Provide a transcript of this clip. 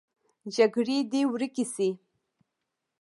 جګړې دې ورکې شي